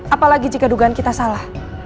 apalagi jika dugaan kita salah